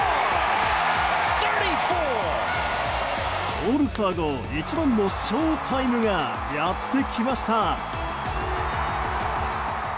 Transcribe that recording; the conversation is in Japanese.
オールスター後１番の翔タイムがやってきました。